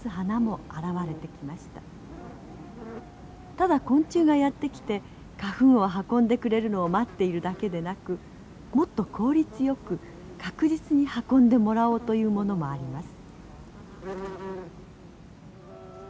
ただ昆虫がやって来て花粉を運んでくれるのを待っているだけでなくもっと効率よく確実に運んでもらおうというものもあります。